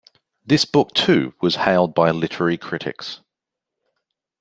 This book too was hailed by literary critics.